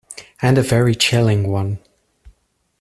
And a very chilling one.